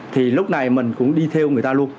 thì lúc này mình cũng đi theo người ta luôn